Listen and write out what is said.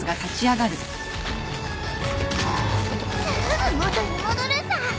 すぐ元に戻るさ。